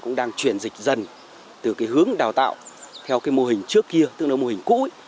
cũng đang chuyển dịch dần từ hướng đào tạo theo mô hình trước kia tức là mô hình cũ